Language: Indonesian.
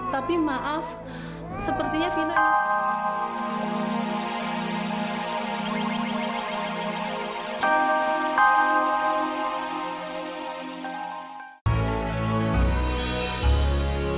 tapi maaf sepertinya vino ini